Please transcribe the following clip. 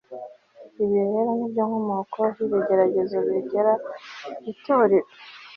ibi rero ni byo nkomoko y'ibigeragezo bigera ku itorero